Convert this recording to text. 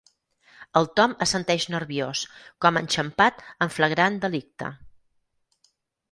El Tom assenteix nerviós, com enxampat en flagrant delicte.